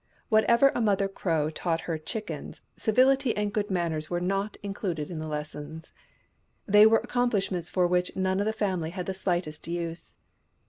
Whatever a mother Crow taught her chickens, civility and good manners were not in cluded in the lessons ; they were accomplishments for which none of the family had the slightest use.